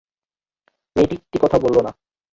মেয়েটি একটি কথাও বলল না।